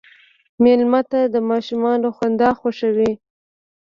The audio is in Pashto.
مېلمه ته د ماشومانو خندا خوښوي.